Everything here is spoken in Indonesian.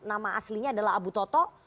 nama aslinya adalah abu toto